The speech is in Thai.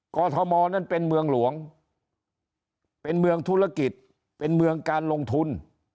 อทมนั้นเป็นเมืองหลวงเป็นเมืองธุรกิจเป็นเมืองการลงทุน